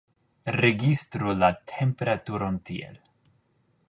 Registru la temperaturon tiel.